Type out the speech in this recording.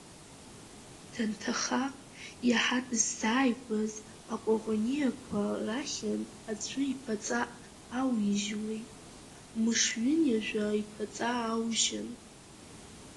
Данҭаха, иаҳа дыззааигәаз Акәаӷәаниақәа рахьынтә аӡәы иԥаҵа ауижьуеит, мыш ҩынҩажәа иԥаҵа аужьын.